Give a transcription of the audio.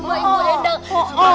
oh ibu rendang